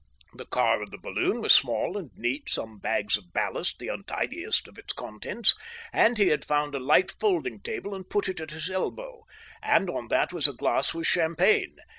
The car of the balloon was small and neat, some bags of ballast the untidiest of its contents, and he had found a light folding table and put it at his elbow, and on that was a glass with champagne.